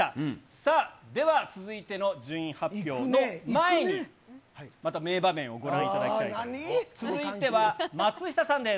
さあ、では続いての順位発表の前に、また名場面をご覧いただきたいと思います。